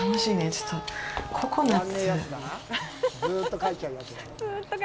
ちょっと、ココナッツ。